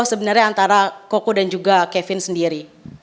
sebenarnya antara koko dan juga kevin sendiri